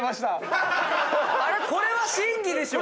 これは審議でしょ！